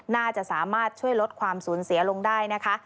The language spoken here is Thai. น่าจะสามารถช่วยลดความสูญเสียลงได้นะคะ